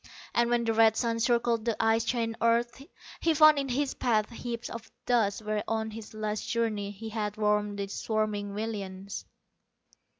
And when the red sun circled the ice chained earth he found in his path heaps of dust where on his last journey he had warmed the swarming millions.